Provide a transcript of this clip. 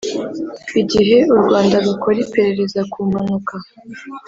Igihe u Rwanda rukora iperereza ku mpanuka